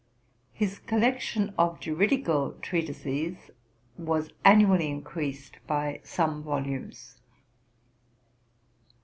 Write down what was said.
His collection of juridical treatises was annually increased by some volumes.